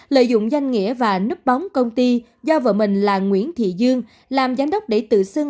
lợi dụng danh nghĩa và núp bóng công ty do vợ mình là nguyễn thị dương làm giám đốc để tự xưng